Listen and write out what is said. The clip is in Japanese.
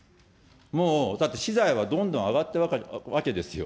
もうだって、資材はどんどん上がってるわけですよ。